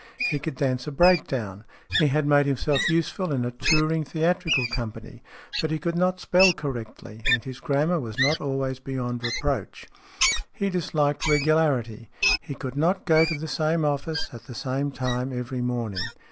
He could dance a breakdown. He had made himself useful in a touring theatrical company. But he could not spell correctly, and his grammar was not always beyond reproach. He disliked regularity. He could not go to the same office at the same time every morning.